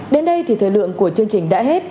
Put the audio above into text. đến đây thì thời lượng của chương trình đã hết